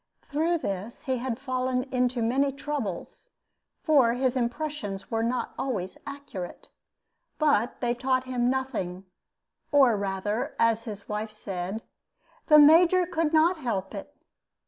Through this he had fallen into many troubles, for his impressions were not always accurate; but they taught him nothing, or rather, as his wife said, "the Major could not help it."